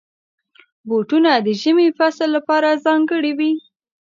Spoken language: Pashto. بوټونه د ژمي فصل لپاره ځانګړي وي.